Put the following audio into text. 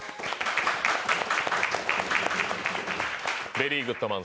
⁉ベリーグッドマン